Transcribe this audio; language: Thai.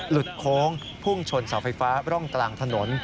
โค้งพุ่งชนเสาไฟฟ้าร่องกลางถนน